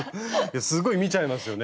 すごい見ちゃいますよね。